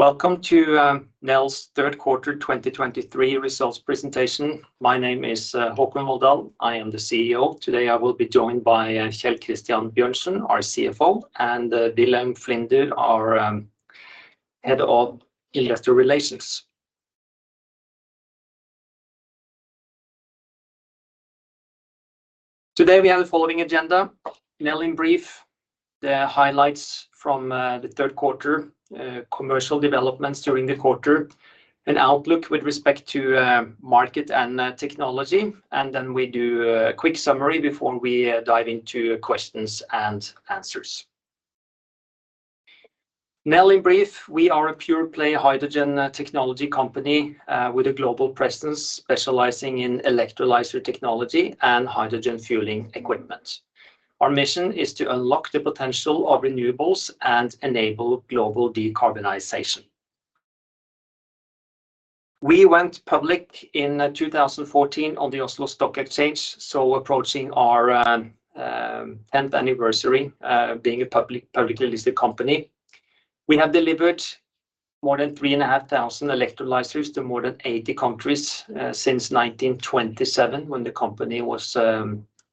Welcome to Nel's third quarter 2023 results presentation. My name is Håkon Volldal. I am the CEO. Today, I will be joined by Kjell Christian Bjørnsen, our CFO, and Wilhelm Flinder, our Head of Investor Relations. Today, we have the following agenda: Nel in brief, the highlights from the third quarter, commercial developments during the quarter, an outlook with respect to market and technology, and then we do a quick summary before we dive into questions and answers. Nel in brief, we are a pure-play hydrogen technology company with a global presence, specializing in electrolyzer technology and hydrogen fueling equipment. Our mission is to unlock the potential of renewables and enable global decarbonization. We went public in 2014 on the Oslo Stock Exchange, so approaching our tenth anniversary, being a publicly listed company. We have delivered more than 3,500 electrolyzers to more than 80 countries since 1927, when the company was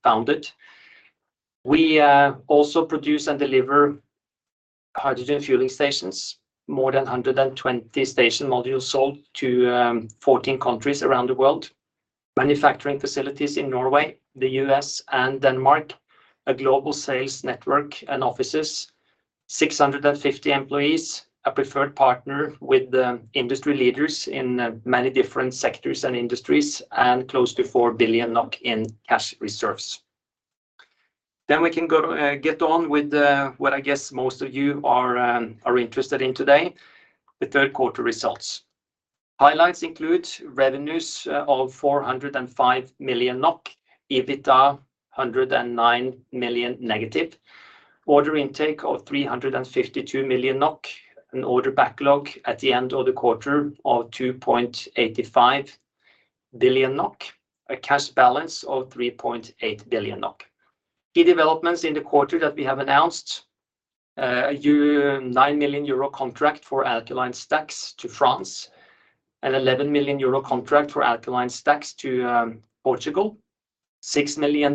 founded. We also produce and deliver hydrogen fueling stations. More than 120 station modules sold to 14 countries around the world. Manufacturing facilities in Norway, the U.S., and Denmark. A global sales network and offices. 650 employees. A preferred partner with the industry leaders in many different sectors and industries, and close to 4 billion NOK in cash reserves. Then we can go get on with what I guess most of you are interested in today, the third quarter results. Highlights include revenues of 405 million NOK, EBITDA -109 million NOK, order intake of 352 million NOK NOK, an order backlog at the end of the quarter of 2.85 billion NOK NOK, a cash balance of 3.8 billion NOK NOK. Key developments in the quarter that we have announced, a 9 million euro contract for alkaline stacks to France, an 11 million euro contract for alkaline stacks to Portugal, $6 million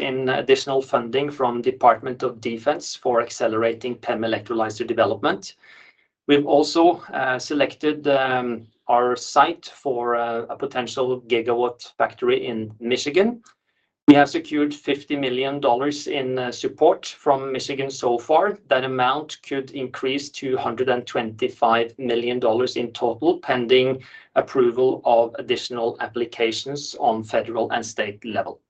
in additional funding from Department of Defense for accelerating PEM electrolyzer development. We've also selected our site for a potential gigawatt factory in Michigan. We have secured $50 million in support from Michigan so far. That amount could increase to $125 million in total, pending approval of additional applications on federal and state level.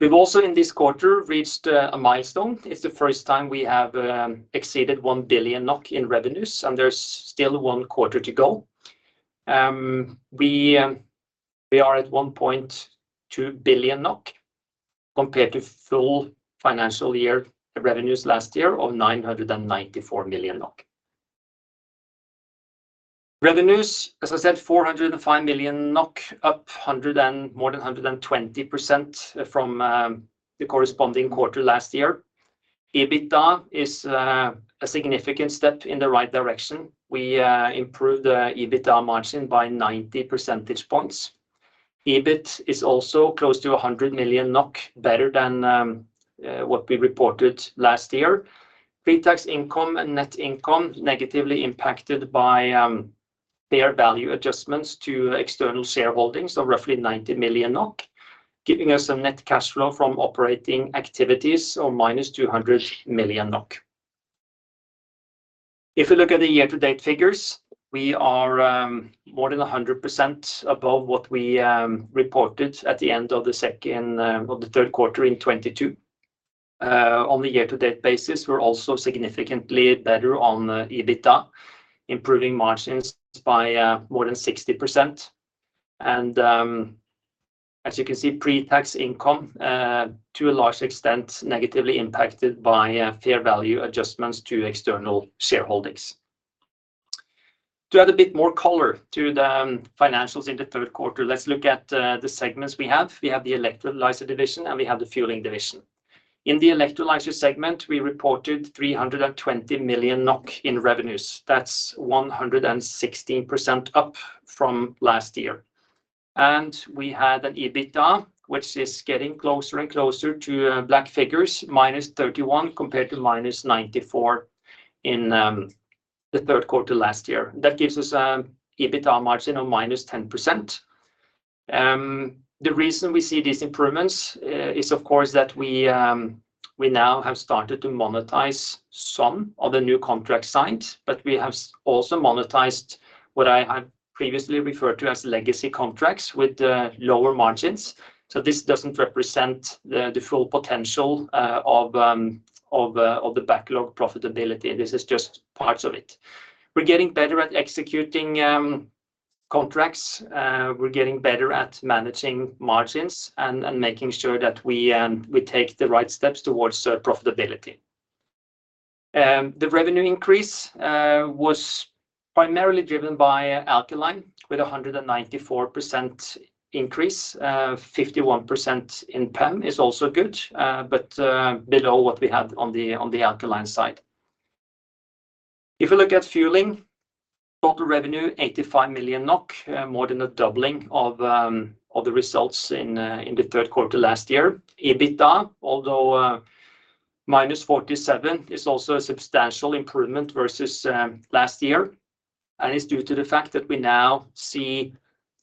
We've also, in this quarter, reached a milestone. It's the first time we have exceeded 1 billion NOK in revenues, and there's still one quarter to go. We, we are at 1.2 billion NOK, compared to full financial year revenues last year of 994 million NOK. Revenues, as I said, 405 million NOK, up more than 120% from the corresponding quarter last year. EBITDA is a significant step in the right direction. We improved the EBITDA margin by 90 percentage points. EBIT is also close to 100 million NOK, better than what we reported last year. Pre-tax income and net income negatively impacted by fair value adjustments to external shareholdings of roughly 90 million NOK, giving us a net cash flow from operating activities of minus 200 million NOK. If you look at the year-to-date figures, we are more than 100% above what we reported at the end of the second, the third quarter in 2022. On the year-to-date basis, we're also significantly better on the EBITDA, improving margins by more than 60%. And, as you can see, pre-tax income, to a large extent, negatively impacted by fair value adjustments to external shareholdings. To add a bit more color to the financials in the third quarter, let's look at the segments we have. We have the electrolyzer division, and we have the fueling division. In the electrolyzer segment, we reported 320 million NOK in revenues. That's 116% up from last year. We had an EBITDA, which is getting closer and closer to black figures, -31 compared to -94 in the third quarter last year. That gives us EBITDA margin of -10%. The reason we see these improvements is of course that we now have started to monetize some of the new contracts signed, but we have also monetized what I previously referred to as legacy contracts with lower margins. So this doesn't represent the full potential of the backlog profitability. This is just parts of it. We're getting better at executing contracts. We're getting better at managing margins and making sure that we take the right steps towards profitability. The revenue increase was primarily driven by alkaline, with a 194% increase. 51% in PEM is also good, but below what we had on the alkaline side. If we look at fueling, total revenue 85 million NOK, more than a doubling of the results in the third quarter last year. EBITDA, although -47, is also a substantial improvement versus last year, and it's due to the fact that we now see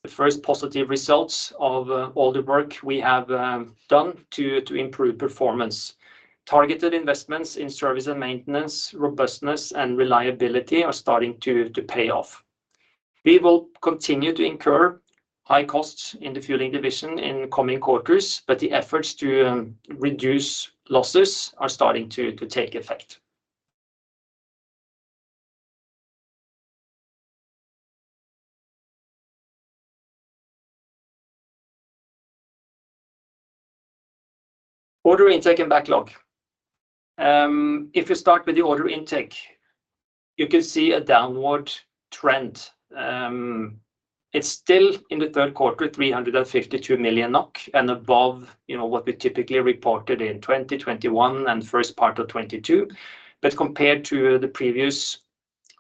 the first positive results of all the work we have done to improve performance. Targeted investments in service and maintenance, robustness, and reliability are starting to pay off. We will continue to incur high costs in the fueling division in coming quarters, but the efforts to reduce losses are starting to take effect. Order intake and backlog. If you start with the order intake, you can see a downward trend. It's still in the third quarter, 352 million NOK, and above, you know, what we typically reported in 2021 and first part of 2022. But compared to the previous,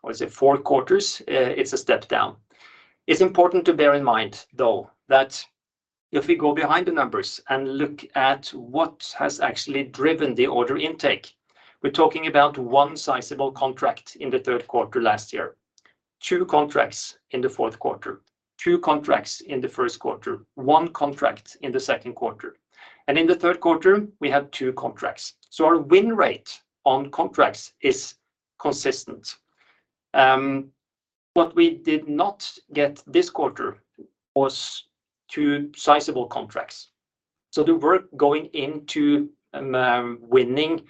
what is it, four quarters, it's a step down. It's important to bear in mind, though, that if we go behind the numbers and look at what has actually driven the order intake, we're talking about one sizable contract in the third quarter last year, two contracts in the fourth quarter, two contracts in the first quarter, one contract in the second quarter, and in the third quarter, we have two contracts. So our win rate on contracts is consistent. What we did not get this quarter was two sizable contracts. So the work going into winning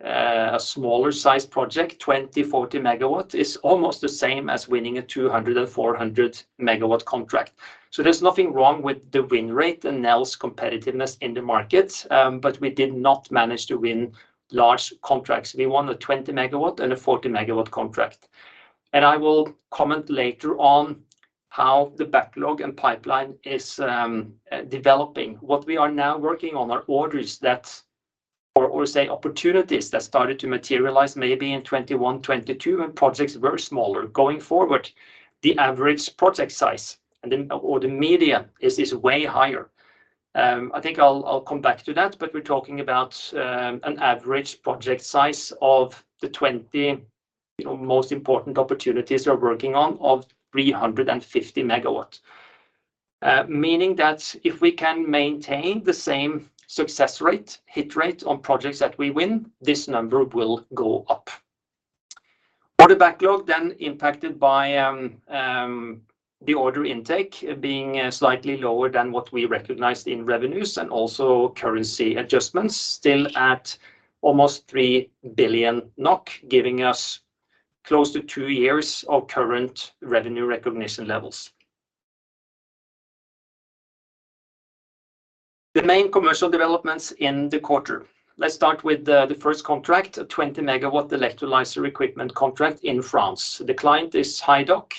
a smaller size project, 20, 40 MW, is almost the same as winning a 200 MW and 400 MW contract. So there's nothing wrong with the win rate and Nel's competitiveness in the market, but we did not manage to win large contracts. We won a 20 MW and a 40 MW contract, and I will comment later on how the backlog and pipeline is developing. What we are now working on are orders that or say opportunities that started to materialize maybe in 2021, 2022, when projects were smaller. Going forward, the average project size and then or the median is way higher. I think I'll come back to that, but we're talking about an average project size of the 20, you know, most important opportunities we are working on of 350 MW. Meaning that if we can maintain the same success rate, hit rate on projects that we win, this number will go up. Order backlog then impacted by the order intake being slightly lower than what we recognized in revenues and also currency adjustments, still at almost 3 billion NOK, giving us close to two years of current revenue recognition levels. The main commercial developments in the quarter. Let's start with the first contract, a 20 MW electrolyzer equipment contract in France. The client is Hydrovolt.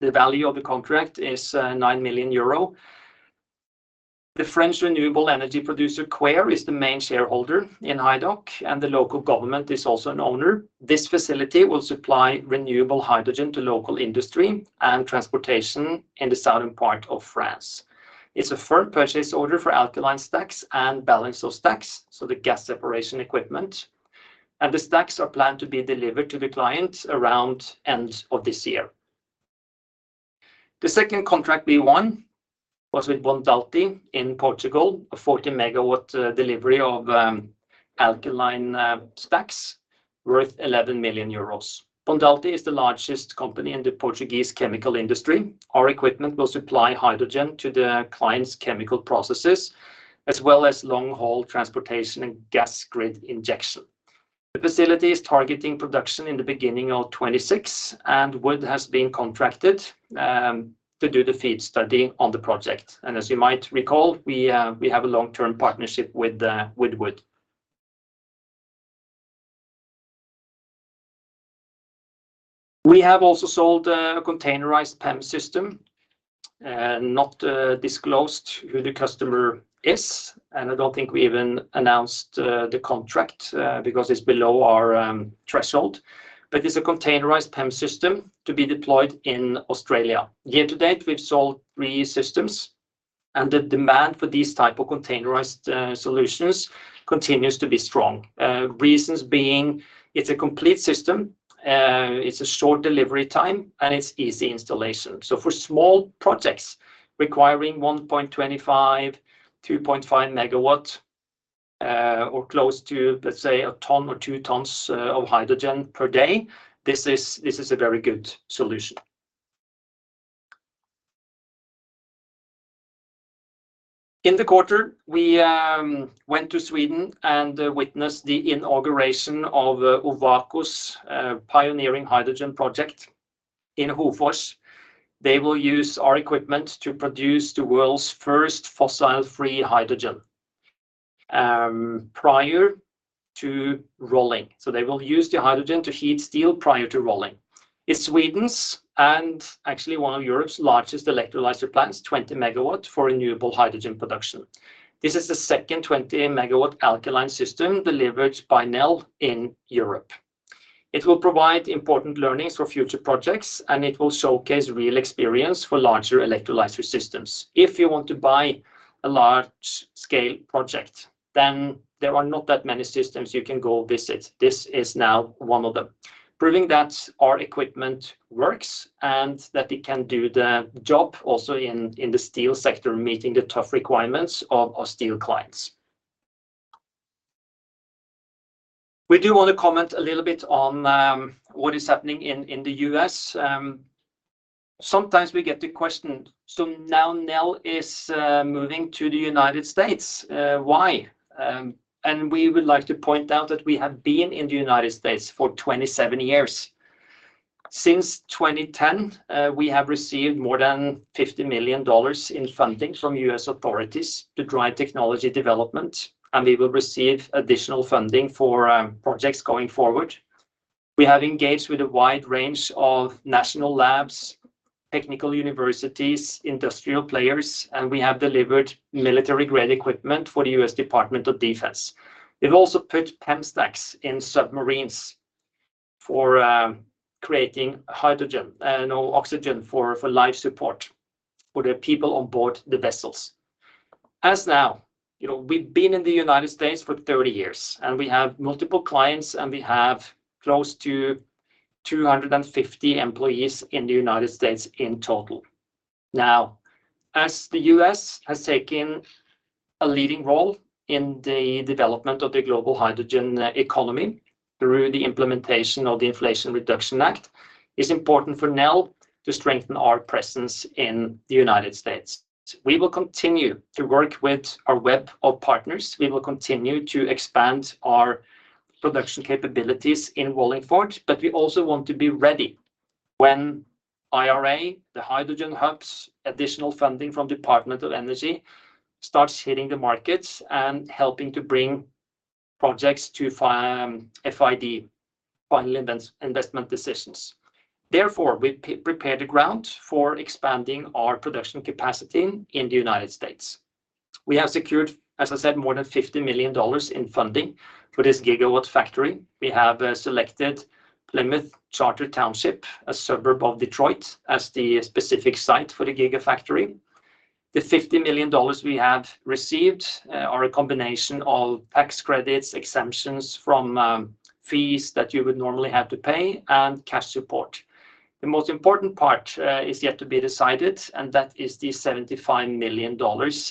The value of the contract is 9 million euro. The French renewable energy producer, Qair, is the main shareholder in Hydrovolt, and the local government is also an owner. This facility will supply renewable hydrogen to local industry and transportation in the southern part of France. It's a firm purchase order for alkaline stacks and balance of stacks, so the gas separation equipment, and the stacks are planned to be delivered to the client around end of this year. The second contract we won was with Bondalti in Portugal, a 40 MW delivery of alkaline stacks worth 11 million euros. Bondalti is the largest company in the Portuguese chemical industry. Our equipment will supply hydrogen to the client's chemical processes, as well as long-haul transportation and gas grid injection. The facility is targeting production in the beginning of 2026, and Wood has been contracted to do the FEED study on the project. As you might recall, we have a long-term partnership with Wood. We have also sold a containerized PEM system, not disclosed who the customer is, and I don't think we even announced the contract because it's below our threshold, but it's a containerized PEM system to be deployed in Australia. Year to date, we've sold three systems, and the demand for these type of containerized solutions continues to be strong. Reasons being, it's a complete system, it's a short delivery time, and it's easy installation. So for small projects requiring 1.25 MW-2.5 MW or close to, let's say, a ton or two tons of hydrogen per day, this is, this is a very good solution. In the quarter, we went to Sweden and witnessed the inauguration of Ovako's pioneering hydrogen project in Hofors. They will use our equipment to produce the world's first fossil-free hydrogen prior to rolling. So they will use the hydrogen to heat steel prior to rolling. It's Sweden's, and actually one of Europe's largest electrolyzer plants, 20 MW for renewable hydrogen production. This is the second 20 MW alkaline system delivered by Nel in Europe. It will provide important learnings for future projects, and it will showcase real experience for larger electrolyzer systems. If you want to buy a large-scale project, then there are not that many systems you can go visit. This is now one of them, proving that our equipment works and that it can do the job also in the steel sector, meeting the tough requirements of our steel clients. We do want to comment a little bit on what is happening in the U.S. Sometimes we get the question: "So now Nel is moving to the United States. Why?" And we would like to point out that we have been in the United States for 27 years. Since 2010, we have received more than $50 million in funding from U.S. authorities to drive technology development, and we will receive additional funding for projects going forward. We have engaged with a wide range of national labs, technical universities, industrial players, and we have delivered military-grade equipment for the U.S. Department of Defense. We've also put PEM stacks in submarines for creating oxygen for life support for the people on board the vessels. Now, you know, we've been in the United States for 30 years, and we have multiple clients, and we have close to 250 employees in the United States in total. Now, as the U.S. has taken a leading role in the development of the global hydrogen economy through the implementation of the Inflation Reduction Act, it's important for Nel to strengthen our presence in the United States. We will continue to work with our web of partners. We will continue to expand our production capabilities in Wallingford, but we also want to be ready when IRA, the hydrogen hubs, additional funding from Department of Energy, starts hitting the markets and helping to bring projects to FID, Final Investment Decisions. Therefore, we prepare the ground for expanding our production capacity in the United States. We have secured, as I said, more than $50 million in funding for this gigawatt factory. We have selected Plymouth Charter Township, a suburb of Detroit, as the specific site for the gigafactory. The $50 million we have received are a combination of tax credits, exemptions from fees that you would normally have to pay, and cash support. The most important part is yet to be decided, and that is the $75 million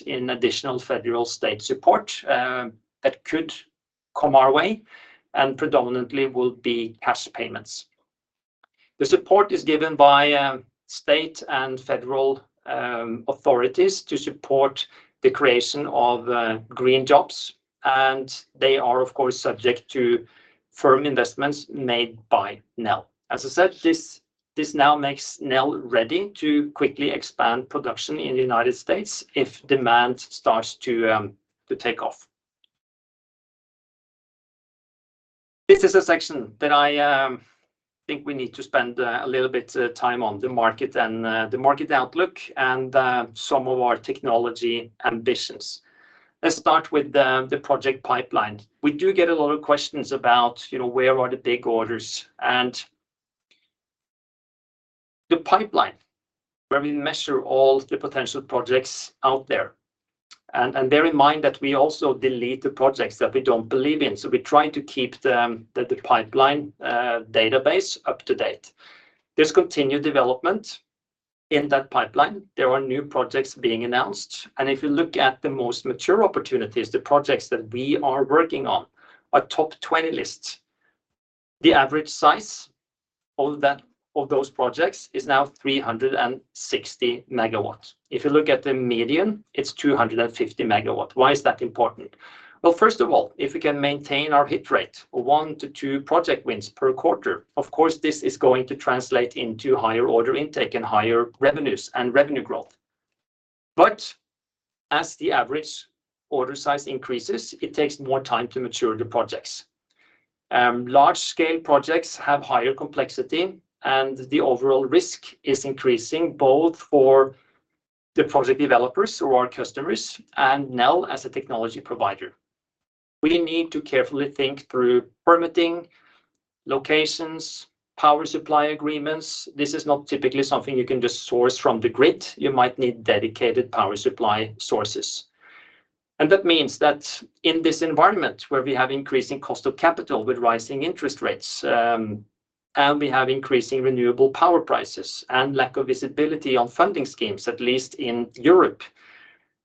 in additional federal state support that could come our way and predominantly will be cash payments. The support is given by state and federal authorities to support the creation of green jobs, and they are, of course, subject to firm investments made by Nel. As I said, this now makes Nel ready to quickly expand production in the United States if demand starts to take off. This is a section that I think we need to spend a little bit time on, the market and the market outlook and some of our technology ambitions. Let's start with the project pipeline. We do get a lot of questions about, you know, where are the big orders and the pipeline, where we measure all the potential projects out there. Bear in mind that we also delete the projects that we don't believe in, so we try to keep the pipeline database up to date. There's continued development in that pipeline. There are new projects being announced, and if you look at the most mature opportunities, the projects that we are working on, our top 20 list, the average size of that, of those projects is now 360 MW. If you look at the median, it's 250 MW. Why is that important? Well, first of all, if we can maintain our hit rate of 1-2 project wins per quarter, of course, this is going to translate into higher order intake and higher revenues and revenue growth. But as the average order size increases, it takes more time to mature the projects. Large-scale projects have higher complexity, and the overall risk is increasing both for the project developers or our customers and Nel as a technology provider. We need to carefully think through permitting, locations, power supply agreements. This is not typically something you can just source from the grid. You might need dedicated power supply sources. And that means that in this environment, where we have increasing cost of capital with rising interest rates, and we have increasing renewable power prices and lack of visibility on funding schemes, at least in Europe,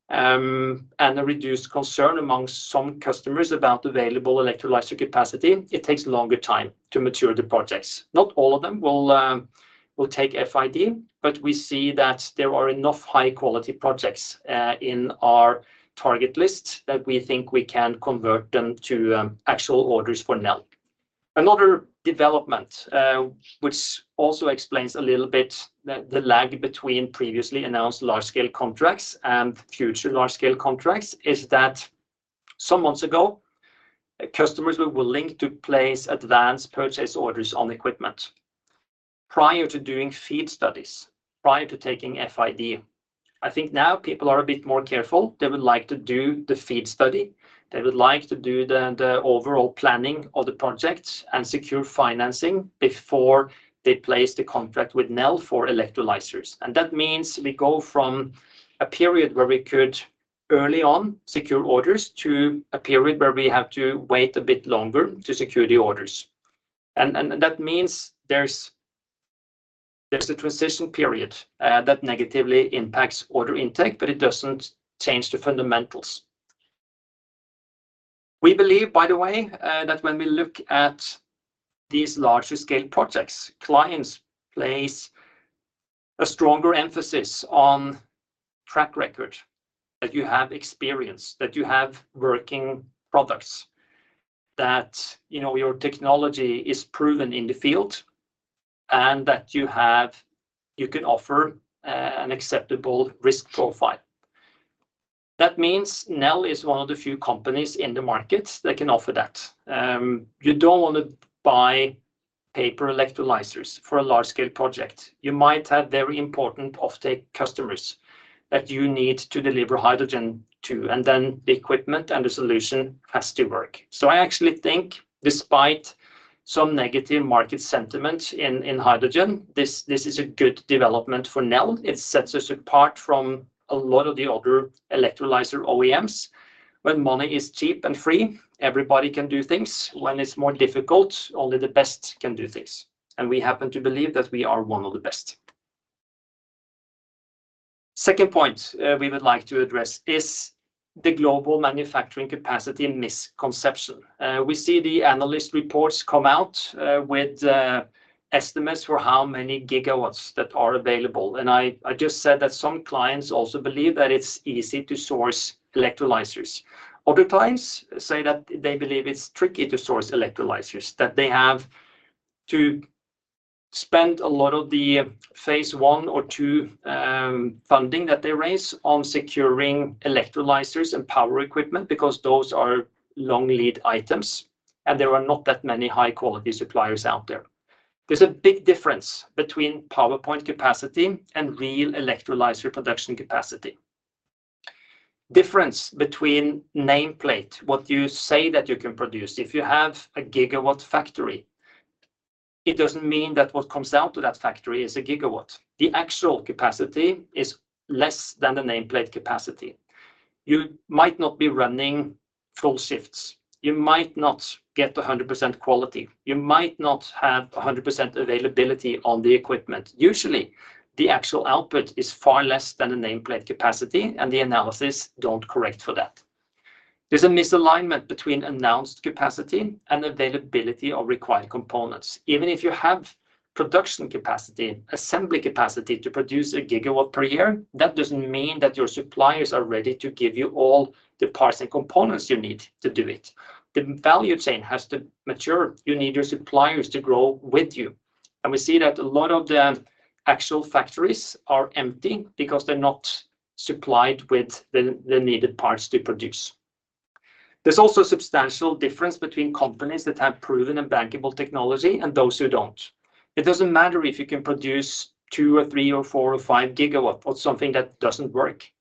and a reduced concern among some customers about available electrolyzer capacity, it takes longer time to mature the projects. Not all of them will take FID, but we see that there are enough high-quality projects in our target list that we think we can convert them to actual orders for Nel. Another development, which also explains a little bit the lag between previously announced large-scale contracts and future large-scale contracts, is that. Some months ago, customers were willing to place advanced purchase orders on equipment prior to doing FEED studies, prior to taking FID. I think now people are a bit more careful. They would like to do the FEED study. They would like to do the overall planning of the project and secure financing before they place the contract with Nel for electrolyzers. And that means we go from a period where we could early on secure orders, to a period where we have to wait a bit longer to secure the orders. And that means there's a transition period that negatively impacts order intake, but it doesn't change the fundamentals. We believe, by the way, that when we look at these larger scale projects, clients place a stronger emphasis on track record, that you have experience, that you have working products, that, you know, your technology is proven in the field, and that you have you can offer an acceptable risk profile. That means Nel is one of the few companies in the market that can offer that. You don't want to buy paper electrolyzers for a large-scale project. You might have very important offtake customers that you need to deliver hydrogen to, and then the equipment and the solution has to work. So I actually think despite some negative market sentiment in hydrogen, this is a good development for Nel. It sets us apart from a lot of the other electrolyzer OEMs. When money is cheap and free, everybody can do things. When it's more difficult, only the best can do things, and we happen to believe that we are one of the best. Second point, we would like to address is the global manufacturing capacity misconception. We see the analyst reports come out with estimates for how many gigawatts that are available, and I just said that some clients also believe that it's easy to source electrolyzers. Other clients say that they believe it's tricky to source electrolyzers, that they have to spend a lot of the phase one or two funding that they raise on securing electrolyzers and power equipment, because those are long lead items, and there are not that many high-quality suppliers out there. There's a big difference between PowerPoint capacity and real electrolyzer production capacity. Difference between nameplate, what you say that you can produce. If you have a gigawatt factory, it doesn't mean that what comes out of that factory is a gigawatt. The actual capacity is less than the nameplate capacity. You might not be running full shifts. You might not get 100% quality. You might not have 100% availability on the equipment. Usually, the actual output is far less than the nameplate capacity, and the analysis don't correct for that. There's a misalignment between announced capacity and availability of required components. Even if you have production capacity, assembly capacity to produce a gigawatt per year, that doesn't mean that your suppliers are ready to give you all the parts and components you need to do it. The value chain has to mature. You need your suppliers to grow with you. And we see that a lot of the actual factories are empty because they're not supplied with the needed parts to produce. There's also a substantial difference between companies that have proven and bankable technology and those who don't. It doesn't matter if you can produce 2 or 3 or 4 GW or 5 GW of something that doesn't work.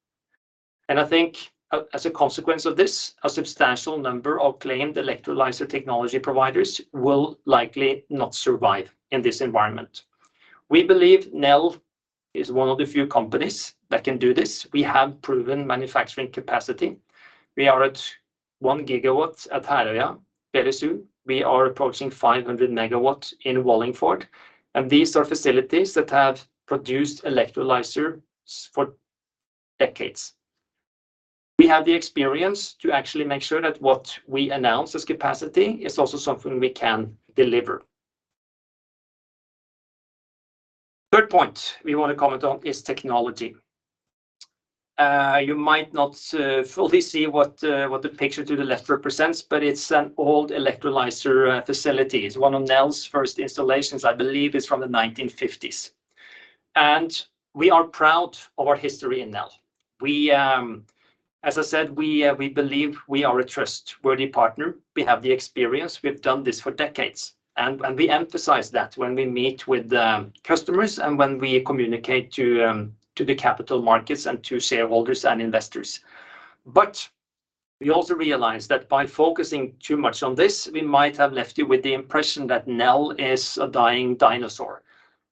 And I think as a consequence of this, a substantial number of claimed electrolyzer technology providers will likely not survive in this environment. We believe Nel is one of the few companies that can do this. We have proven manufacturing capacity. We are at 1 GW at Herøya. Very soon, we are approaching 500 MW in Wallingford, and these are facilities that have produced electrolyzers for decades. We have the experience to actually make sure that what we announce as capacity is also something we can deliver. Third point we want to comment on is technology. You might not fully see what the picture to the left represents, but it's an old electrolyzer facility. It's one of Nel's first installations, I believe it's from the 1950s, and we are proud of our history in Nel. We... As I said, we, we believe we are a trustworthy partner. We have the experience, we've done this for decades, and, and we emphasize that when we meet with the customers and when we communicate to, to the capital markets and to shareholders and investors. But we also realize that by focusing too much on this, we might have left you with the impression that Nel is a dying dinosaur,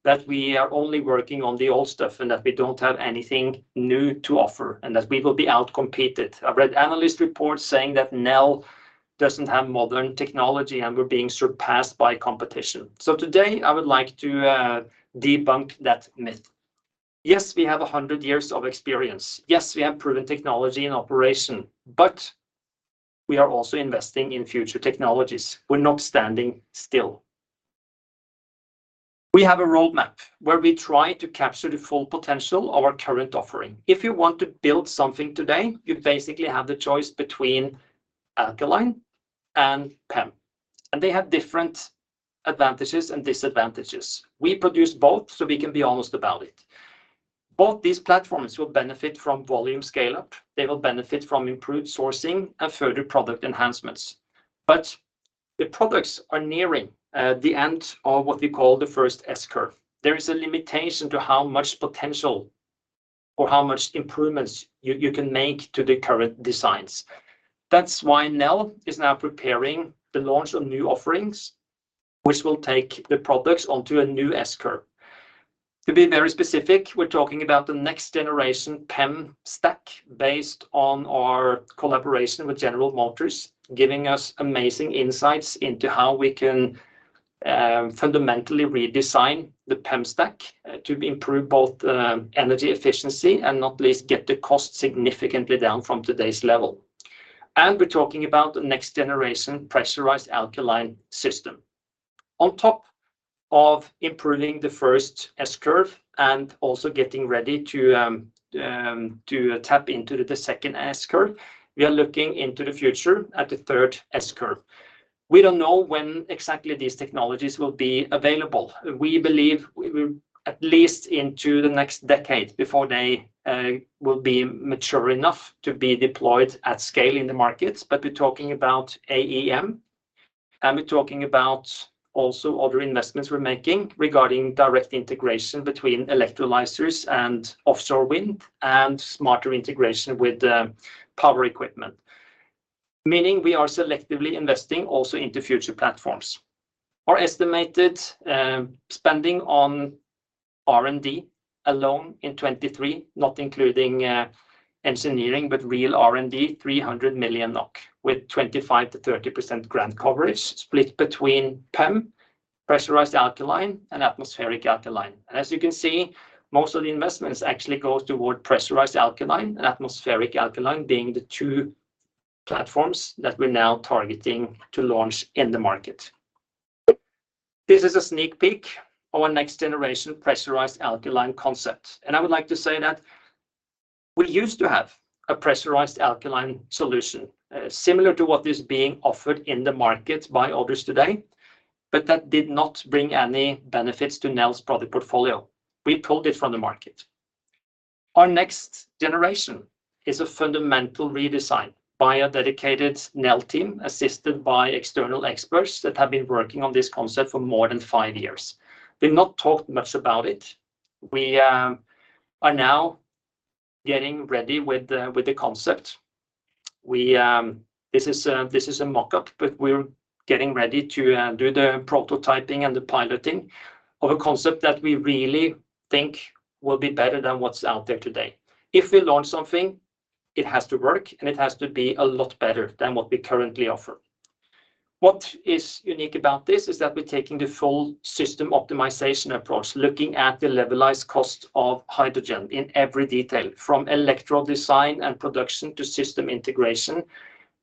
that we are only working on the old stuff, and that we don't have anything new to offer, and that we will be outcompeted. I've read analyst reports saying that Nel doesn't have modern technology and we're being surpassed by competition. So today, I would like to, debunk that myth. Yes, we have 100 years of experience. Yes, we have proven technology and operation, but we are also investing in future technologies. We're not standing still. We have a roadmap where we try to capture the full potential of our current offering. If you want to build something today, you basically have the choice between alkaline and PEM, and they have different advantages and disadvantages. We produce both, so we can be honest about it.... Both these platforms will benefit from volume scale-up. They will benefit from improved sourcing and further product enhancements. But the products are nearing the end of what we call the first S-Curve. There is a limitation to how much potential or how much improvements you can make to the current designs. That's why Nel is now preparing the launch of new offerings, which will take the products onto a new S-Curve. To be very specific, we're talking about the next generation PEM stack, based on our collaboration with General Motors, giving us amazing insights into how we can fundamentally redesign the PEM stack to improve both energy efficiency and not least, get the cost significantly down from today's level. We're talking about the next generation pressurized alkaline system. On top of improving the first S-curve and also getting ready to tap into the second S-curve, we are looking into the future at the third S-curve. We don't know when exactly these technologies will be available. We believe at least into the next decade before they will be mature enough to be deployed at scale in the markets. But we're talking about AEM, and we're talking about also other investments we're making regarding direct integration between electrolyzers and offshore wind, and smarter integration with, power equipment. Meaning we are selectively investing also into future platforms. Our estimated spending on R&D alone in 2023, not including engineering, but real R&D, 300 million NOK, with 25%-30% grant coverage split between PEM, pressurized alkaline, and atmospheric alkaline. As you can see, most of the investments actually go toward pressurized alkaline and atmospheric alkaline, being the two platforms that we're now targeting to launch in the market. This is a sneak peek of our next generation pressurized alkaline concept, and I would like to say that we used to have a pressurized alkaline solution, similar to what is being offered in the market by others today, but that did not bring any benefits to Nel's product portfolio. We pulled it from the market. Our next generation is a fundamental redesign by a dedicated Nel team, assisted by external experts that have been working on this concept for more than five years. We've not talked much about it. We are now getting ready with the concept. This is a mock-up, but we're getting ready to do the prototyping and the piloting of a concept that we really think will be better than what's out there today. If we launch something, it has to work, and it has to be a lot better than what we currently offer. What is unique about this is that we're taking the full system optimization approach, looking at the levelized cost of hydrogen in every detail, from electrode design and production to system integration.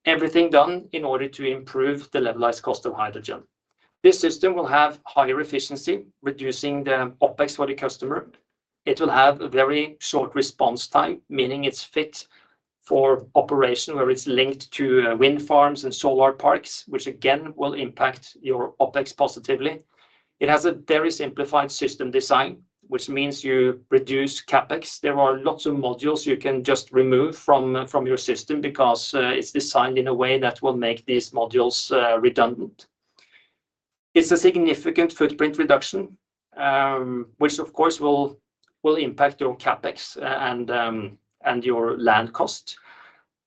Everything done in order to improve the levelized cost of hydrogen. This system will have higher efficiency, reducing the OpEx for the customer. It will have a very short response time, meaning it's fit for operation, where it's linked to wind farms and solar parks, which again, will impact your OpEx positively. It has a very simplified system design, which means you reduce CapEx. There are lots of modules you can just remove from your system because it's designed in a way that will make these modules redundant. It's a significant footprint reduction, which of course will impact your CapEx and your land cost,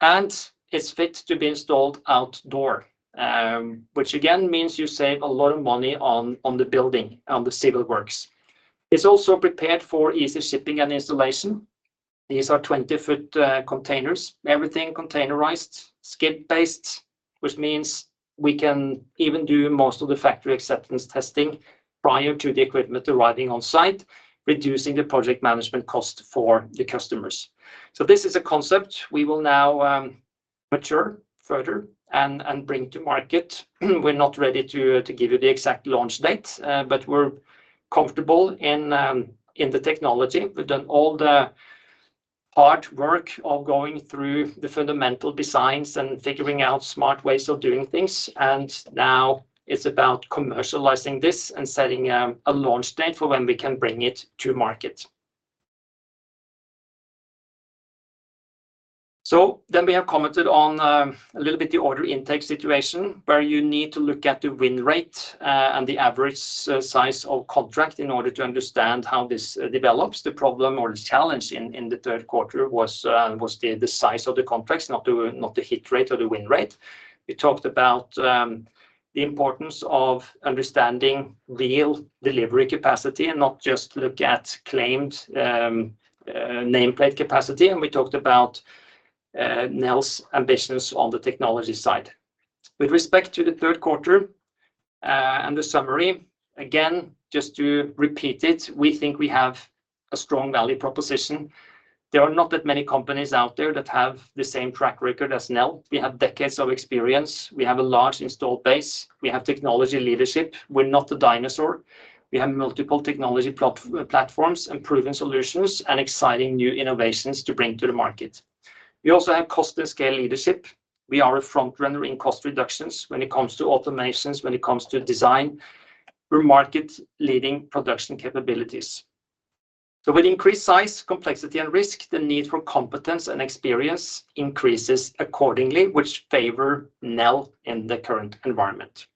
and it's fit to be installed outdoor. Which again means you save a lot of money on the building, on the civil works. It's also prepared for easy shipping and installation. These are 20-foot containers, everything containerized, skid-based, which means we can even do most of the factory acceptance testing prior to the equipment arriving on site, reducing the project management cost for the customers. So this is a concept we will now mature further and bring to market. We're not ready to give you the exact launch date, but we're comfortable in the technology. We've done all the hard work of going through the fundamental designs and figuring out smart ways of doing things, and now it's about commercializing this and setting a launch date for when we can bring it to market. So then we have commented on a little bit the order intake situation, where you need to look at the win rate and the average size of contract in order to understand how this develops. The problem or the challenge in the third quarter was the size of the contracts, not the hit rate or the win rate. We talked about the importance of understanding real delivery capacity and not just look at claimed nameplate capacity. And we talked about Nel's ambitions on the technology side. With respect to the third quarter and the summary, again, just to repeat it, we think we have a strong value proposition. There are not that many companies out there that have the same track record as Nel. We have decades of experience. We have a large installed base. We have technology leadership. We're not a dinosaur. We have multiple technology platforms and proven solutions and exciting new innovations to bring to the market. We also have cost and scale leadership. We are a front runner in cost reductions when it comes to automations, when it comes to design. We're market-leading production capabilities. So with increased size, complexity, and risk, the need for competence and experience increases accordingly, which favor Nel in the current environment.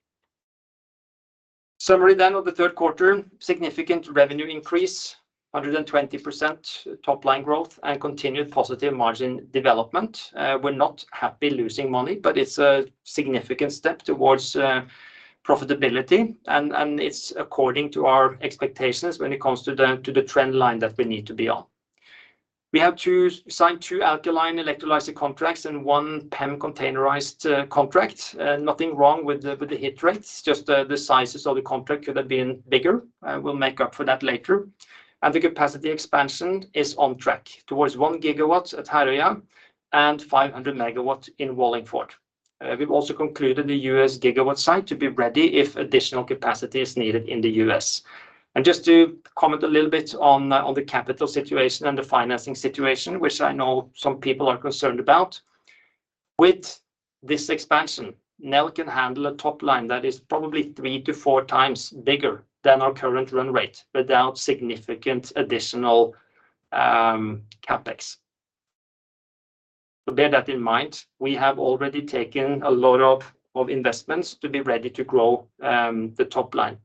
Summary then of the third quarter, significant revenue increase, 120% top-line growth, and continued positive margin development. We're not happy losing money, but it's a significant step towards profitability, and it's according to our expectations when it comes to the trend line that we need to be on. We have signed 2 alkaline electrolyzer contracts and one PEM containerized contract. Nothing wrong with the hit rates, just the sizes of the contract could have been bigger. We'll make up for that later. The capacity expansion is on track towards 1 GW at Herøya and 500 MW in Wallingford. We've also concluded the U.S. gigawatt site to be ready if additional capacity is needed in the U.S. Just to comment a little bit on the capital situation and the financing situation, which I know some people are concerned about. With this expansion, Nel can handle a top line that is probably three to four times bigger than our current run rate without significant additional CapEx. So bear that in mind, we have already taken a lot of investments to be ready to grow the top line.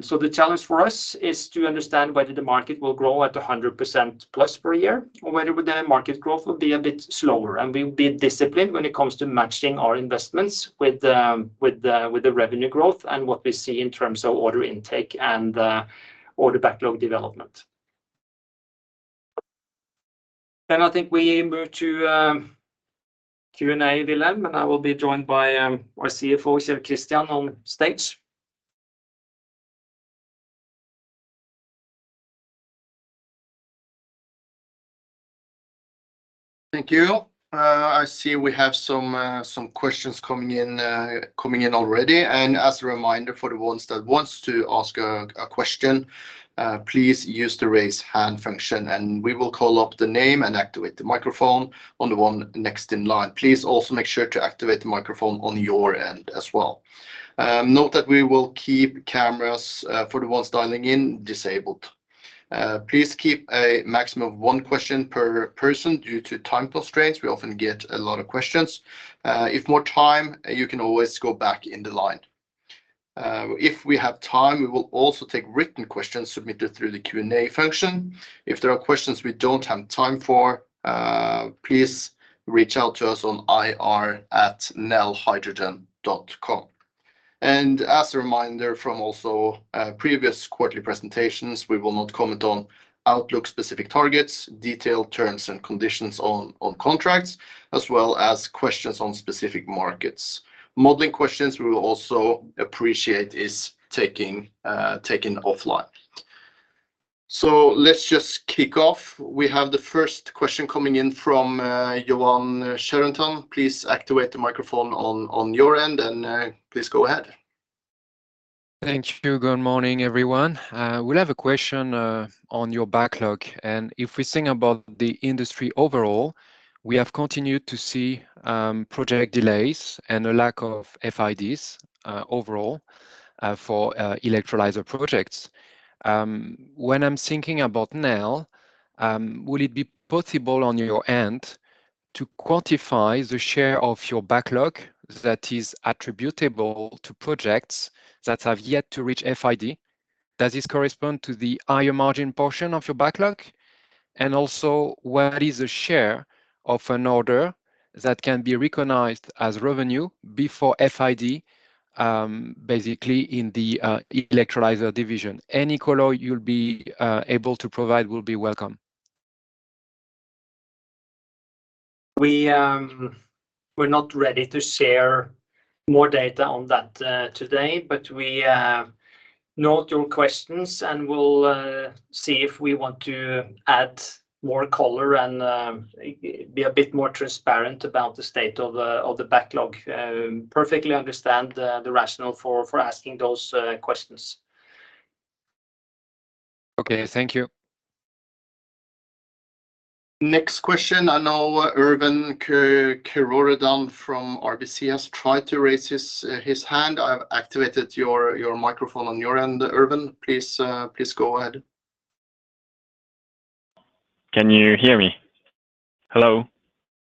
So the challenge for us is to understand whether the market will grow at 100% plus per year, or whether the market growth will be a bit slower. We'll be disciplined when it comes to matching our investments with the revenue growth and what we see in terms of order intake and order backlog development. Then I think we move to Q&A, Wilhelm, and I will be joined by our CFO, Kjell Christian Bjørnsen, on stage. Thank you. I see we have some questions coming in already. As a reminder, for the ones that wants to ask a question, please use the raise hand function, and we will call up the name and activate the microphone on the one next in line. Please also make sure to activate the microphone on your end as well. Note that we will keep cameras for the ones dialing in disabled. Please keep a maximum of one question per person due to time constraints. We often get a lot of questions. If more time, you can always go back in the line. If we have time, we will also take written questions submitted through the Q&A function. If there are questions we don't have time for, please reach out to us on ir@nelhydrogen.com. As a reminder from also previous quarterly presentations, we will not comment on outlook-specific targets, detailed terms and conditions on contracts, as well as questions on specific markets. Modeling questions we will also appreciate is taking taken offline. So let's just kick off. We have the first question coming in from Yoann Charenton. Please activate the microphone on your end, and please go ahead. Thank you. Good morning, everyone. We'll have a question on your backlog, and if we think about the industry overall, we have continued to see project delays and a lack of FIDs overall for electrolyzer projects. When I'm thinking about Nel, would it be possible on your end to quantify the share of your backlog that is attributable to projects that have yet to reach FID? Does this correspond to the higher margin portion of your backlog? And also, where is the share of an order that can be recognized as revenue before FID, basically in the electrolyzer division? Any color you'll be able to provide will be welcome. We're not ready to share more data on that today, but we note your questions, and we'll see if we want to add more color and be a bit more transparent about the state of the backlog. Perfectly understand the rationale for asking those questions. Okay. Thank you. Next question. I know Erwan Kerouredan from RBC has tried to raise his, his hand. I've activated your, your microphone on your end, Erwan. Please, please go ahead Can you hear me? Hello?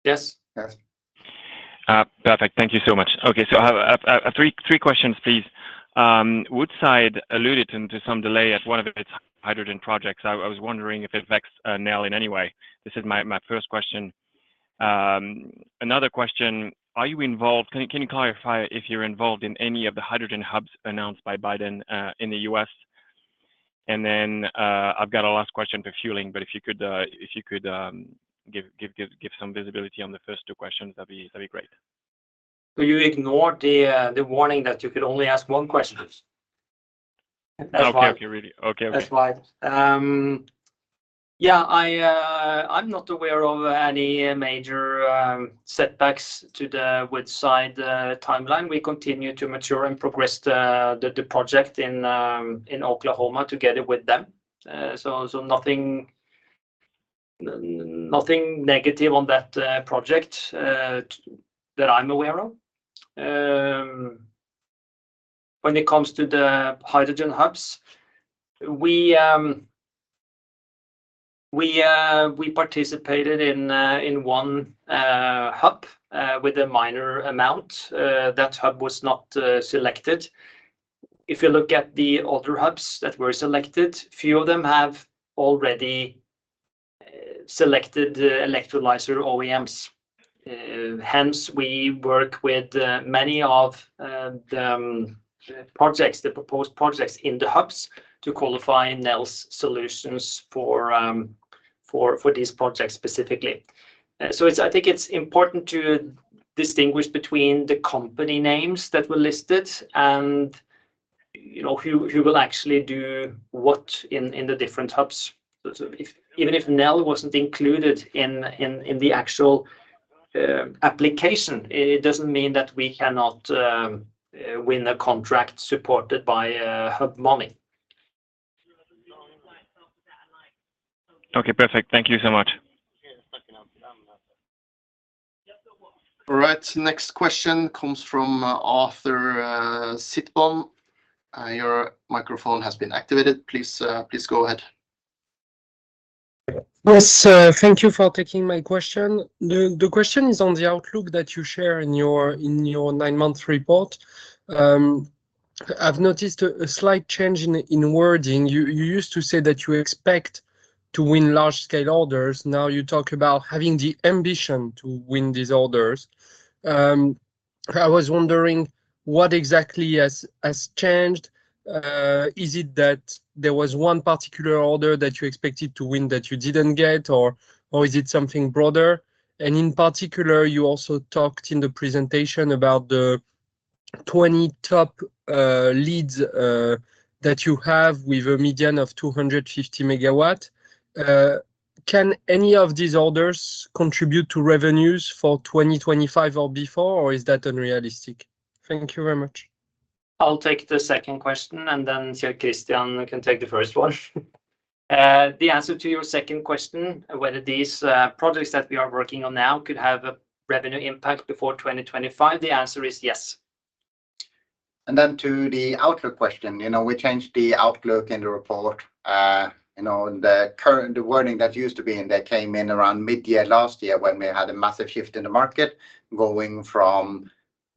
Yes. Yes. Perfect. Thank you so much. Okay, so I have three questions, please. Woodside alluded to some delay at one of its hydrogen projects. I was wondering if it affects Nel in any way. This is my first question. Another question, are you involved... Can you clarify if you're involved in any of the hydrogen hubs announced by Biden in the US? And then, I've got a last question for fueling, but if you could give some visibility on the first two questions, that'd be great. So you ignored the warning that you could only ask one question? Okay, okay. Really? Okay. That's right. Yeah, I, I'm not aware of any major setbacks to the Woodside timeline. We continue to mature and progress the project in Oklahoma together with them. So, nothing—nothing negative on that project that I'm aware of. When it comes to the hydrogen hubs, we participated in one hub with a minor amount. That hub was not selected. If you look at the other hubs that were selected, few of them have already selected electrolyzer OEMs. Hence, we work with many of the projects, the proposed projects in the hubs to qualify Nel's solutions for these projects specifically. So it's important to distinguish between the company names that were listed and, you know, who will actually do what in the different hubs. So if even if Nel wasn't included in the actual application, it doesn't mean that we cannot win a contract supported by hub money. Okay, perfect. Thank you so much. All right, next question comes from Arthur Sitbon. Your microphone has been activated. Please, please go ahead. Yes, thank you for taking my question. The question is on the outlook that you share in your nine-month report. I've noticed a slight change in wording. You used to say that you expect to win large-scale orders. Now you talk about having the ambition to win these orders. I was wondering what exactly has changed? Is it that there was one particular order that you expected to win that you didn't get, or is it something broader? And in particular, you also talked in the presentation about the 20 top leads that you have with a median of 250 MW. Can any of these orders contribute to revenues for 2025 or before, or is that unrealistic? Thank you very much. I'll take the second question, and then Kjell Christian can take the first one. The answer to your second question, whether these projects that we are working on now could have a revenue impact before 2025, the answer is yes. And then to the outlook question, you know, we changed the outlook in the report. You know, the current, the wording that used to be in there came in around mid-year last year, when we had a massive shift in the market, going from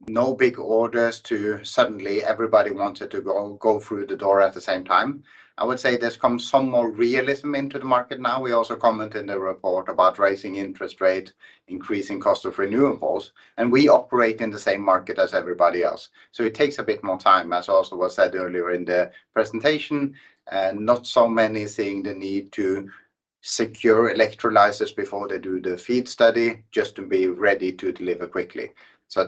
no big orders to suddenly everybody wanted to go through the door at the same time. I would say there's come some more realism into the market now. We also comment in the report about rising interest rate, increasing cost of renewables, and we operate in the same market as everybody else, so it takes a bit more time. As also was said earlier in the presentation, not so many seeing the need to secure electrolyzers before they do the FEED study, just to be ready to deliver quickly. So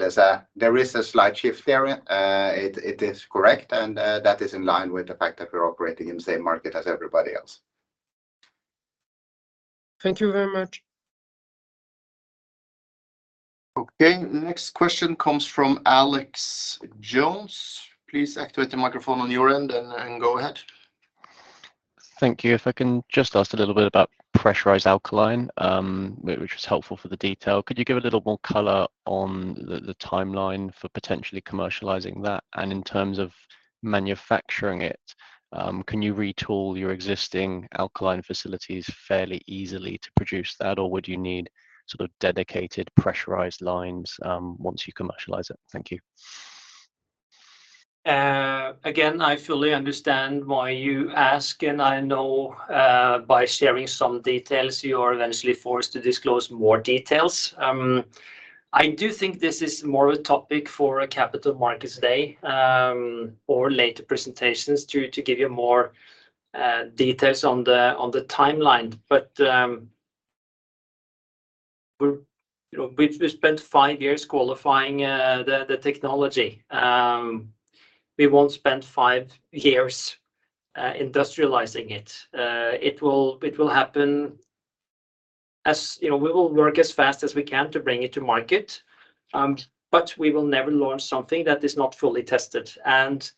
there is a slight shift there. It is correct, and that is in line with the fact that we're operating in the same market as everybody else. Thank you very much. Okay, the next question comes from Alex Jones. Please activate the microphone on your end and go ahead. Thank you. If I can just ask a little bit about pressurized alkaline, which was helpful for the detail. Could you give a little more color on the, the timeline for potentially commercializing that? And in terms of manufacturing it, can you retool your existing alkaline facilities fairly easily to produce that, or would you need sort of dedicated pressurized lines, once you commercialize it? Thank you. Again, I fully understand why you ask, and I know by sharing some details, you are eventually forced to disclose more details. I do think this is more of a topic for a Capital Markets roadshow or later presentations to give you more details on the timeline. But you know, we spent five years qualifying the technology. We won't spend five years industrializing it. It will happen as you know, we will work as fast as we can to bring it to market, but we will never launch something that is not fully tested. And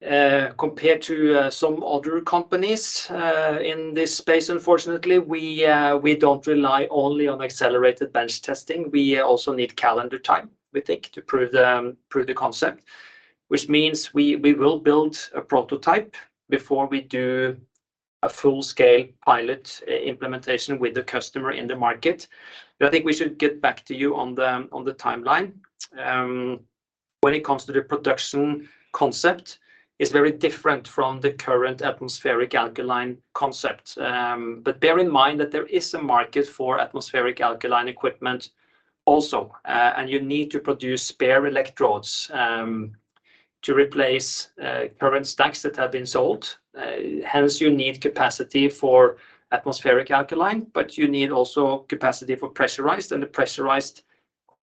compared to some other companies in this space, unfortunately, we don't rely only on accelerated bench testing. We also need calendar time, we think, to prove the concept, which means we will build a prototype before we do a full-scale pilot implementation with the customer in the market. But I think we should get back to you on the timeline. When it comes to the production concept, it's very different from the current atmospheric alkaline concept. But bear in mind that there is a market for atmospheric alkaline equipment also. And you need to produce spare electrodes to replace current stacks that have been sold. Hence, you need capacity for atmospheric alkaline, but you need also capacity for pressurized. And the pressurized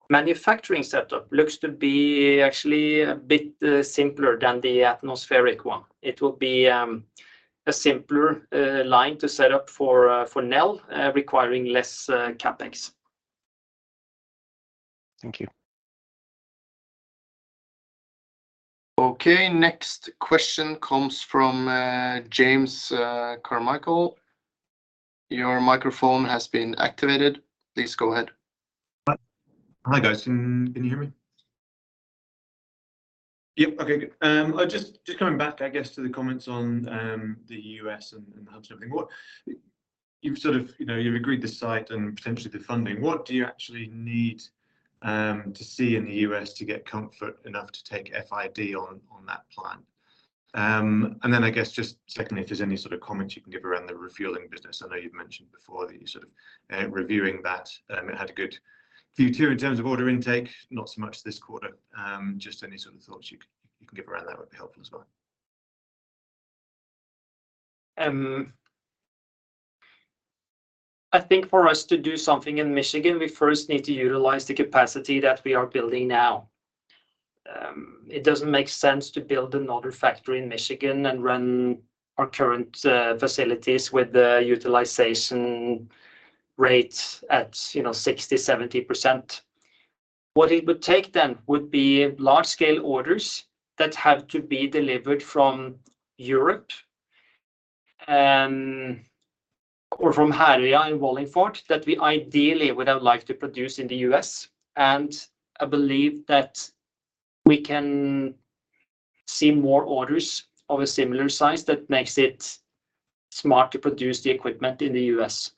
manufacturing setup looks to be actually a bit simpler than the atmospheric one. It will be a simpler line to set up for Nel, requiring less CapEx. Thank you.... Okay, next question comes from, James, Carmichael. Your microphone has been activated. Please go ahead. Hi. Hi, guys. Can you hear me? Yep. Okay, good. Just coming back, I guess, to the comments on the US and the hub shipping. What—you've sort of, you know, you've agreed the site and potentially the funding. What do you actually need to see in the US to get comfort enough to take FID on that plan? And then I guess, just secondly, if there's any sort of comments you can give around the refueling business. I know you've mentioned before that you're sort of reviewing that. It had a good Q2 in terms of order intake, not so much this quarter. Just any sort of thoughts you can give around that would be helpful as well. I think for us to do something in Michigan, we first need to utilize the capacity that we are building now. It doesn't make sense to build another factory in Michigan and run our current facilities with the utilization rate at, you know, 60%-70%. What it would take then would be large-scale orders that have to be delivered from Europe, or from Herøya and Wallingford, that we ideally would have liked to produce in the U.S. And I believe that we can see more orders of a similar size that makes it smart to produce the equipment in the U.S.,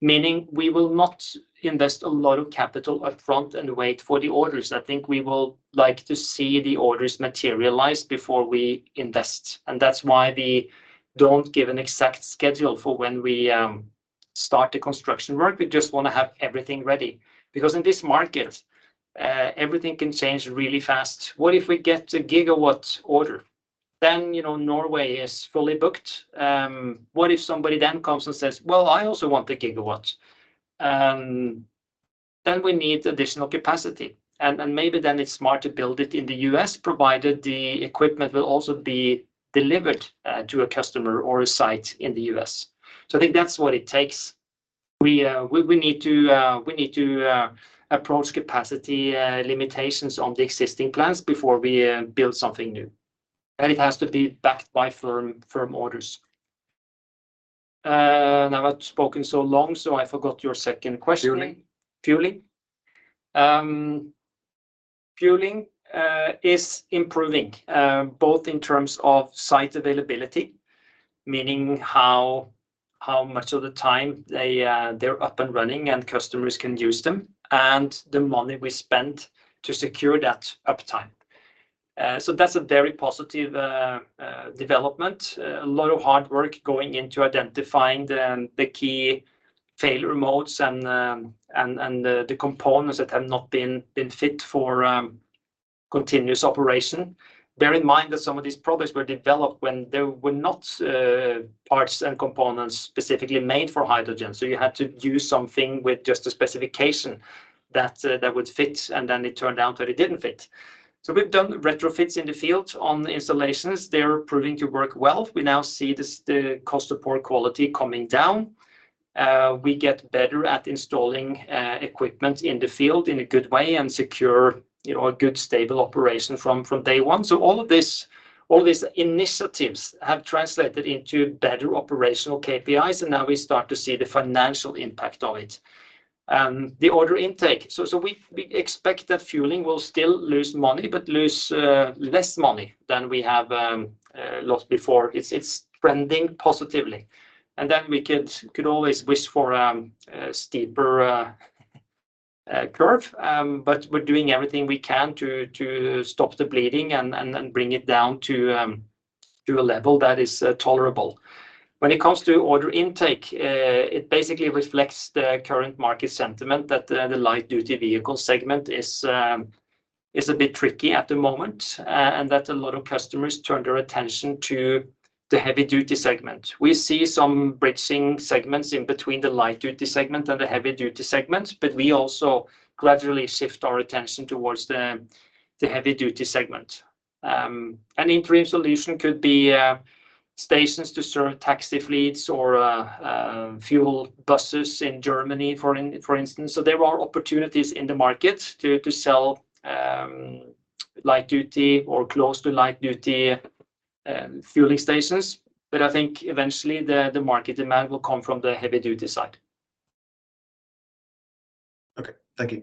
meaning we will not invest a lot of capital upfront and wait for the orders. I think we will like to see the orders materialize before we invest, and that's why we don't give an exact schedule for when we start the construction work. We just want to have everything ready, because in this market, everything can change really fast. What if we get a gigawatt order? Then, you know, Norway is fully booked. What if somebody then comes and says, "Well, I also want a gigawatt." Then we need additional capacity, and maybe then it's smart to build it in the U.S., provided the equipment will also be delivered to a customer or a site in the U.S. So I think that's what it takes. We need to approach capacity limitations on the existing plans before we build something new. It has to be backed by firm, firm orders. Now, I've spoken so long, so I forgot your second question. Fueling. Fueling. Fueling is improving both in terms of site availability, meaning how much of the time they're up and running and customers can use them, and the money we spend to secure that uptime. So that's a very positive development. A lot of hard work going into identifying the key failure modes and the components that have not been fit for continuous operation. Bear in mind that some of these products were developed when there were not parts and components specifically made for hydrogen, so you had to use something with just a specification that would fit, and then it turned out that it didn't fit. So we've done retrofits in the field on the installations. They're proving to work well. We now see this, the cost of poor quality coming down. We get better at installing equipment in the field in a good way and secure, you know, a good, stable operation from day one. So all of this, all these initiatives have translated into better operational KPIs, and now we start to see the financial impact of it. The order intake. So we expect that fueling will still lose money, but lose less money than we have lost before. It's trending positively. And then we could always wish for a steeper curve, but we're doing everything we can to stop the bleeding and bring it down to a level that is tolerable. When it comes to order intake, it basically reflects the current market sentiment that the light-duty vehicle segment is a bit tricky at the moment, and that a lot of customers turn their attention to the heavy-duty segment. We see some bridging segments in between the light-duty segment and the heavy-duty segment, but we also gradually shift our attention towards the heavy-duty segment. An interim solution could be stations to serve taxi fleets or fuel buses in Germany, for instance. So there are opportunities in the market to sell light duty or close to light-duty fueling stations. But I think eventually the market demand will come from the heavy-duty side. Okay. Thank you.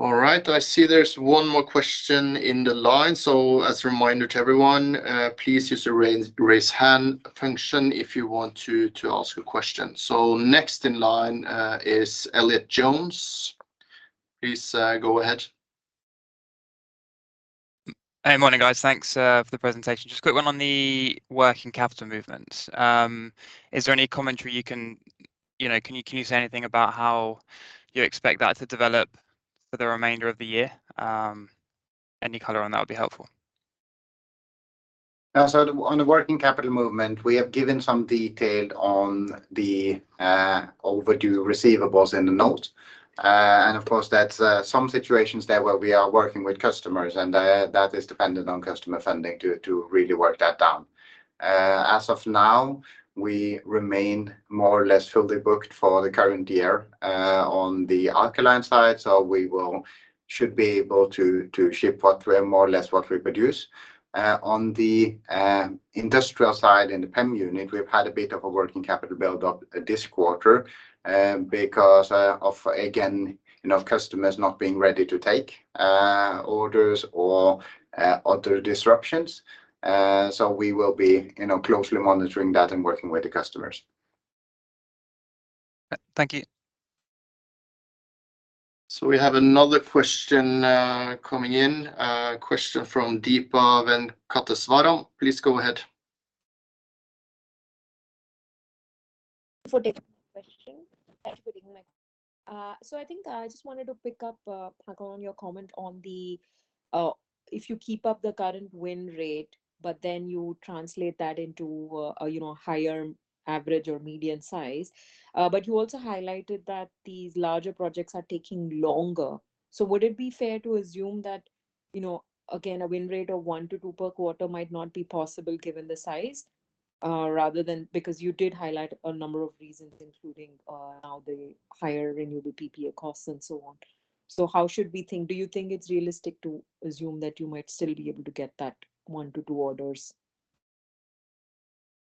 All right, I see there's one more question in the line. So as a reminder to everyone, please use the raise hand function if you want to ask a question. So next in line is Elliott Jones. Please go ahead. Hey, morning, guys. Thanks for the presentation. Just a quick one on the working capital movement. Is there any commentary you can? You know, can you, can you say anything about how you expect that to develop for the remainder of the year? Any color on that would be helpful.... So, on the working capital movement, we have given some detail on the overdue receivables in the note. And of course, that's some situations there where we are working with customers, and that is dependent on customer funding to really work that down. As of now, we remain more or less fully booked for the current year on the alkaline side. So we should be able to ship more or less what we produce. On the industrial side, in the PEM unit, we've had a bit of a working capital build-up this quarter because of, again, you know, customers not being ready to take orders or other disruptions. So we will be, you know, closely monitoring that and working with the customers. Thank you. We have another question, coming in. A question from Deepa Venkateswaran. Please go ahead. Thank you for taking my question. So I think I just wanted to pick up, Paco, on your comment on the if you keep up the current win rate, but then you translate that into a, you know, higher average or median size. But you also highlighted that these larger projects are taking longer. So would it be fair to assume that, you know, again, a win rate of 1-2 per quarter might not be possible given the size? Rather than... Because you did highlight a number of reasons, including now the higher renewable PPA costs and so on. So how should we think? Do you think it's realistic to assume that you might still be able to get that 1-2 orders?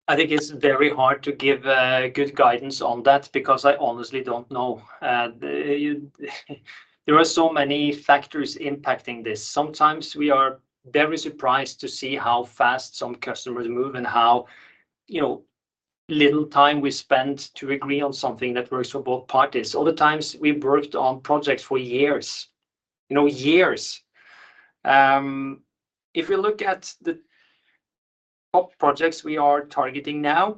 I think it's very hard to give good guidance on that because I honestly don't know. There are so many factors impacting this. Sometimes we are very surprised to see how fast some customers move and how, you know, little time we spend to agree on something that works for both parties. Other times, we've worked on projects for years. You know, years. If we look at the top projects we are targeting now,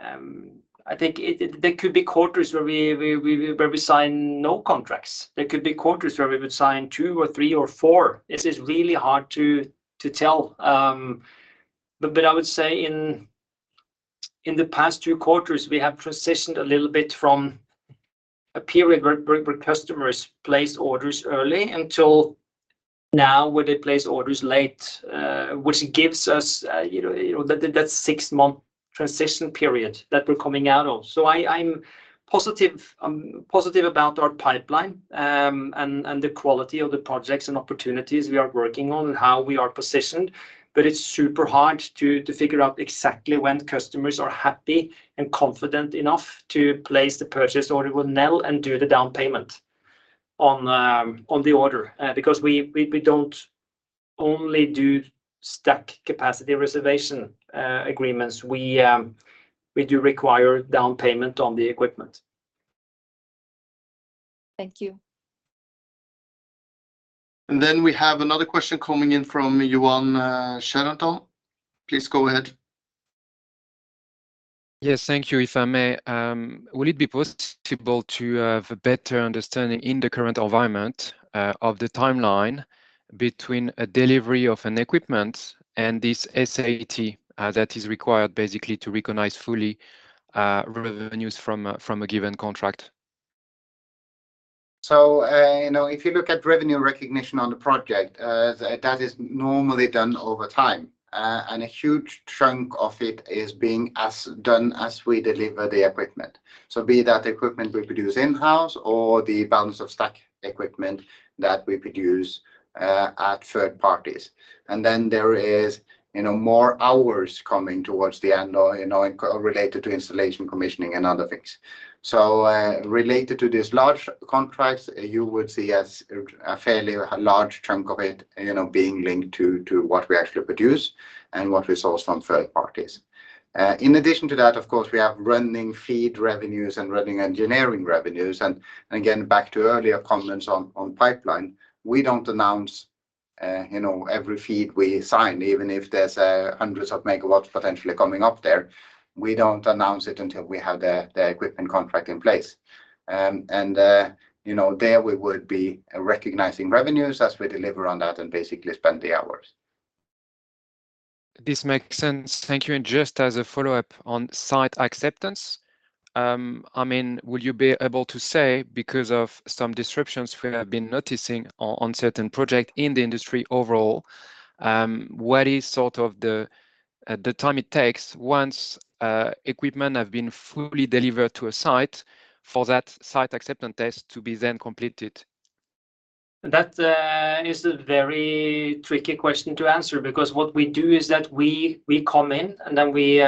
I think there could be quarters where we sign no contracts. There could be quarters where we would sign two or three or four. This is really hard to tell. But I would say in the past two quarters, we have transitioned a little bit from a period where customers placed orders early until now, where they place orders late, which gives us, you know, that six-month transition period that we're coming out of. So I'm positive about our pipeline, and the quality of the projects and opportunities we are working on and how we are positioned. But it's super hard to figure out exactly when customers are happy and confident enough to place the purchase order with Nel and do the down payment on the order. Because we don't only do stack capacity reservation agreements. We do require down payment on the equipment. Thank you. Then we have another question coming in from Yoann Charenton. Please go ahead. Yes, thank you. If I may, will it be possible to have a better understanding in the current environment, of the timeline between a delivery of an equipment and this SAT, that is required basically to recognize fully, revenues from a, from a given contract? So, you know, if you look at revenue recognition on the project, that is normally done over time, and a huge chunk of it is being as done as we deliver the equipment. So be that equipment we produce in-house or the Balance of Stack equipment that we produce at third parties. And then there is, you know, more hours coming towards the end or, you know, related to installation, commissioning and other things. So, related to these large contracts, you would see as a fairly large chunk of it, you know, being linked to, to what we actually produce and what we source from third parties. In addition to that, of course, we have running FEED revenues and running engineering revenues. Again, back to earlier comments on pipeline, we don't announce, you know, every FEED we sign, even if there's hundreds of megawatts potentially coming up there. We don't announce it until we have the equipment contract in place. You know, there we would be recognizing revenues as we deliver on that and basically spend the hours. This makes sense. Thank you. And just as a follow-up on site acceptance, I mean, will you be able to say, because of some disruptions we have been noticing on certain projects in the industry overall, what is sort of the time it takes once equipment have been fully delivered to a site for that site acceptance test to be then completed? That is a very tricky question to answer, because what we do is that we come in, and then we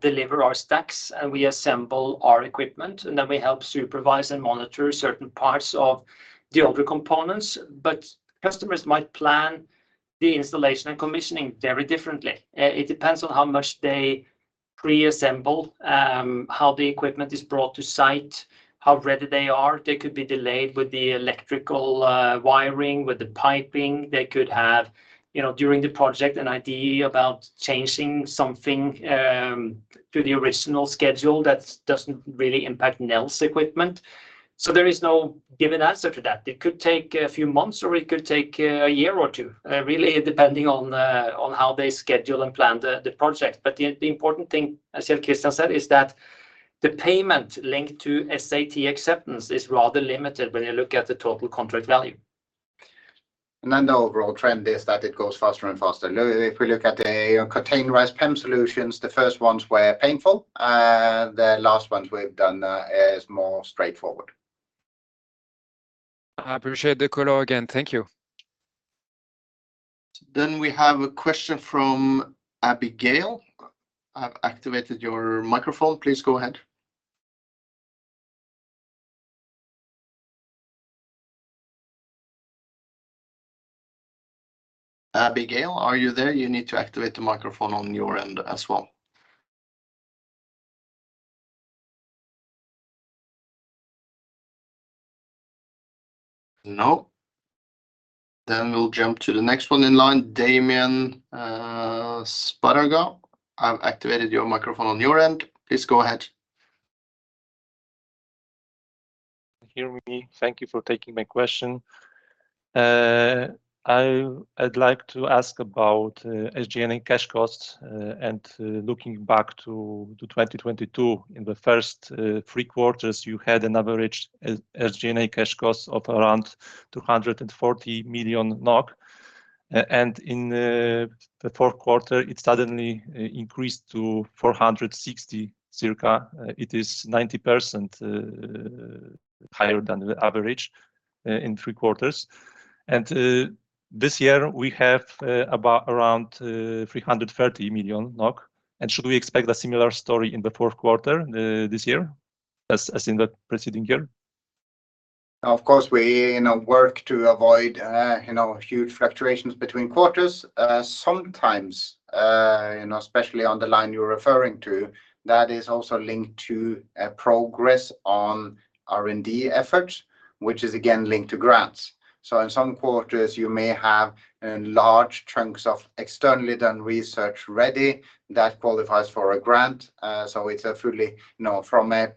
deliver our stacks, and we assemble our equipment, and then we help supervise and monitor certain parts of the other components. But customers might plan the installation and commissioning very differently. It depends on how much they preassemble, how the equipment is brought to site, how ready they are. They could be delayed with the electrical wiring, with the piping. They could have, you know, during the project, an idea about changing something to the original schedule, that doesn't really impact Nel's equipment. So there is no given answer to that. It could take a few months, or it could take a year or two, really, depending on how they schedule and plan the project. But the important thing, as Christian said, is that the payment linked to SAT acceptance is rather limited when you look at the total contract value. And then the overall trend is that it goes faster and faster. If we look at the containerized PEM solutions, the first ones were painful, the last ones we've done is more straightforward. I appreciate the color again. Thank you. Then we have a question from Abigail. I've activated your microphone. Please go ahead. Abigail, are you there? You need to activate the microphone on your end as well. No? Then we'll jump to the next one in line, [Damian, Sparago]. I've activated your microphone on your end. Please go ahead. Hear me. Thank you for taking my question. I'd like to ask about SG&A cash costs and looking back to 2022. In the first three quarters, you had an average SG&A cash cost of around 240 million NOK. And in the fourth quarter, it suddenly increased to circa NOK 460 million. It is 90% higher than the average in three quarters. And this year we have about around 330 million NOK, and should we expect a similar story in the fourth quarter this year as in the preceding year? Of course, we, you know, work to avoid, you know, huge fluctuations between quarters. Sometimes, you know, especially on the line you're referring to, that is also linked to a progress on R&D efforts, which is again linked to grants. So in some quarters, you may have large chunks of externally done research ready that qualifies for a grant. So it's a fully, you know, from a,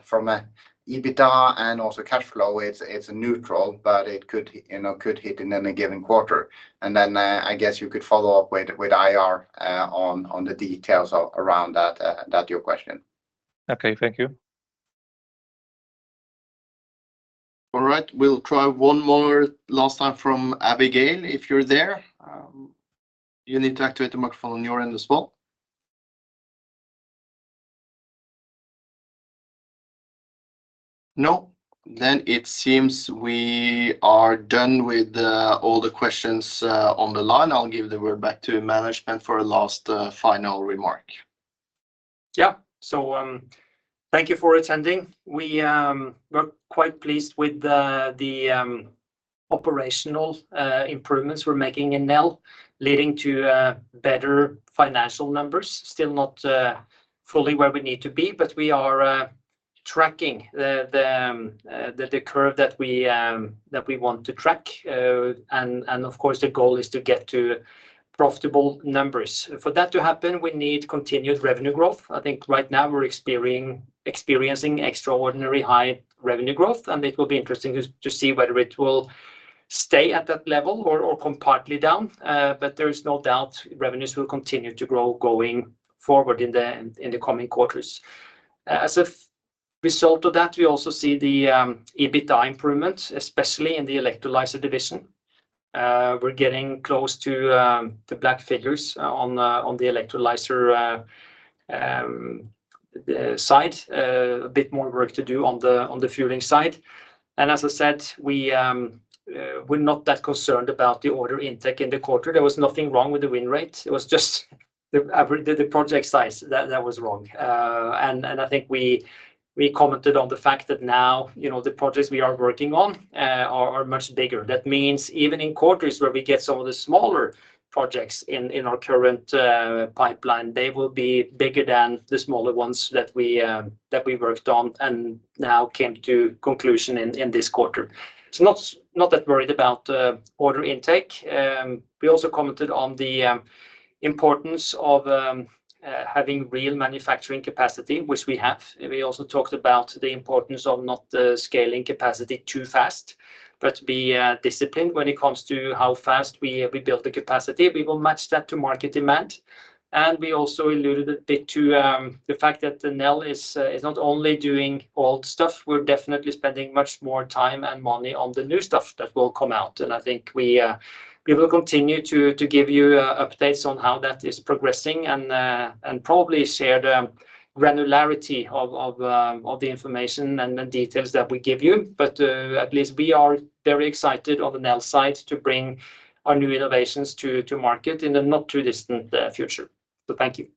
from a EBITDA and also cash flow, it's, it's neutral, but it could, you know, could hit in any given quarter. And then, I guess you could follow up with, with IR, on, on the details around that, that your question. Okay. Thank you. All right, we'll try one more last time from Abigail. If you're there, you need to activate the microphone on your end as well. No? Then it seems we are done with all the questions on the line. I'll give the word back to management for a last final remark. Yeah. So, thank you for attending. We're quite pleased with the operational improvements we're making in Nel, leading to better financial numbers. Still not fully where we need to be, but we are tracking the curve that we want to track. And of course, the goal is to get to profitable numbers. For that to happen, we need continued revenue growth. I think right now we're experiencing extraordinary high revenue growth, and it will be interesting to see whether it will stay at that level or come partly down. But there is no doubt revenues will continue to grow going forward in the coming quarters. As a result of that, we also see the EBITDA improvements, especially in the Electrolyzer division. We're getting close to the black figures on the electrolyzer side. A bit more work to do on the fueling side. And as I said, we're not that concerned about the order intake in the quarter. There was nothing wrong with the win rate. It was just the average project size that was wrong. And I think we commented on the fact that now, you know, the projects we are working on are much bigger. That means even in quarters where we get some of the smaller projects in our current pipeline, they will be bigger than the smaller ones that we worked on and now came to conclusion in this quarter. So not that worried about order intake. We also commented on the importance of having real manufacturing capacity, which we have. We also talked about the importance of not scaling capacity too fast, but be disciplined when it comes to how fast we build the capacity. We will match that to market demand. We also alluded a bit to the fact that Nel is not only doing old stuff; we're definitely spending much more time and money on the new stuff that will come out. I think we will continue to give you updates on how that is progressing and probably share the granularity of the information and the details that we give you. At least we are very excited on the Nel side to bring our new innovations to market in the not-too-distant future. Thank you.